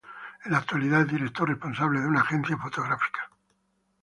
En la actualidad es director responsable de una agencia fotográfica.